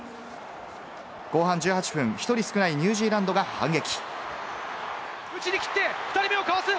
後半１８分、１人少ないニュージーランドが反撃。